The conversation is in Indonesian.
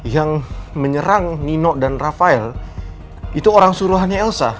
yang menyerang nino dan rafael itu orang suruhannya elsa